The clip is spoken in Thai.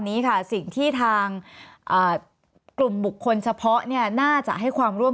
นี้ค่ะสิ่งที่ทางกลุ่มบุคคลเฉพาะเนี่ยน่าจะให้ความร่วม